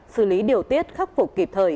xử lý điều tiết khắc phục kịp thời